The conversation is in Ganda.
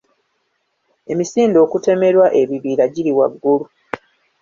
Emisinde okutemerwa ebibira giri waggulu .